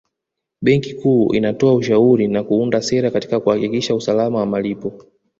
Benki Kuu inatoa ushauri na kuunda sera katika kuhakikisha usalama wa malipo